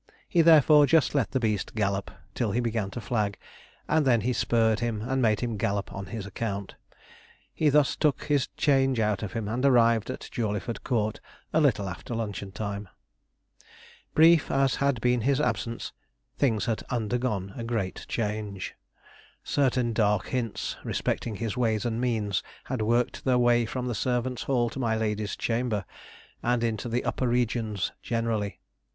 He, therefore, just let the beast gallop till he began to flag, and then he spurred him and made him gallop on his account. He thus took his change out of him, and arrived at Jawleyford Court a little after luncheon time. Brief as had been his absence, things had undergone a great change. Certain dark hints respecting his ways and means had worked their way from the servants' hall to my lady's chamber, and into the upper regions generally.